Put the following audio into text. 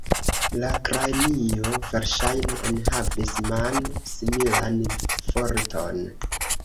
La kranio verŝajne enhavis man-similan forton.